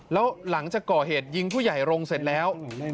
แล้วหลังจากก่อเหตุยิงผู้ใหญ่โรงเสร็จแล้ว